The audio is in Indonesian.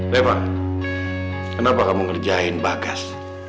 refah kenapa kamu ngerjain bagas